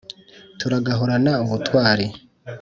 turagahorana ubutwari